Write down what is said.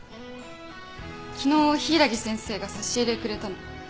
昨日柊木先生が差し入れくれたの。